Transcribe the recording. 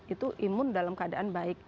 itu imun dalam keadaan baik